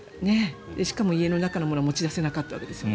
しかも、家の中の物は持ち出せなかったわけですよね。